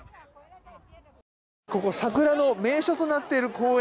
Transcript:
桜の名所となっている公園。